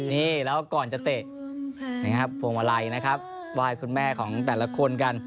นี่แล้วก่อนจะเตะพวงวะไลนะครับวายคุณแม่ของแต่ละคนกัน